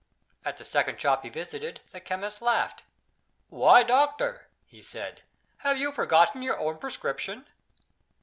At the second shop he visited, the chemist laughed. "Why, doctor," he said, "have you forgotten your own prescription?"